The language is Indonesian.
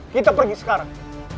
kita pergi sekarang